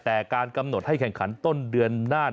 แต่การกำหนดให้แข่งขันต้นเดือนหน้า